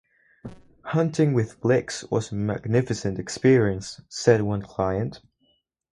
"Hunting with Blix was a magnificent experience," said one client.